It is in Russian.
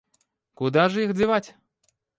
Куда же их девать?